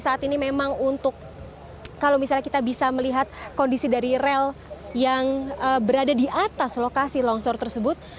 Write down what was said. saat ini memang untuk kalau misalnya kita bisa melihat kondisi dari rel yang berada di atas lokasi longsor tersebut